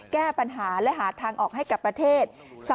แก้ปัญหาและหาทางออกให้กับประเทศ